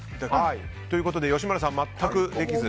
ということで吉村さん全くできず。